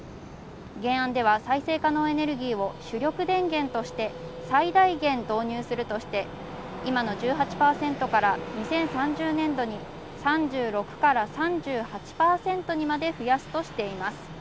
原案では再生可能エネルギーを主力電源として最大限導入するとして今の１８％から２０３０年度に３６から３８％にまで増やすとしています。